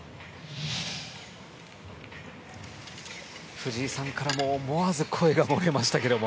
藤井さんからも思わず声が漏れましたけれども。